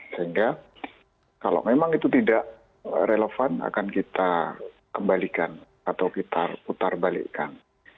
sehingga kalau memang itu tidak relevan akan kita kembalikan atau kita putar balikkan